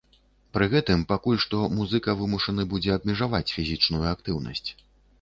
Пры гэтым пакуль што музыка вымушаны будзе абмежаваць фізічную актыўнасць.